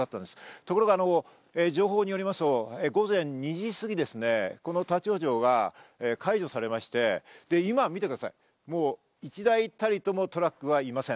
ところが情報によりますと午前２時過ぎ、この立ち往生が解除されまして、今、見てください、１台たりともトラックがありません。